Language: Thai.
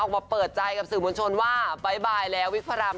ออกมาเปิดใจกับสื่อมวลชนว่าบ๊ายบายแล้ววิกพระราม